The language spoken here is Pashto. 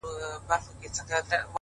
ما د وحشت په زمانه کي زندگې کړې ده _